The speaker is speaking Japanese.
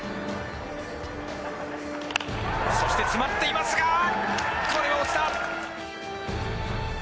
そして詰まっていますがこれは落ちた。